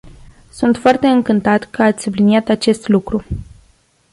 Sunt foarte încântat că ați subliniat acest lucru.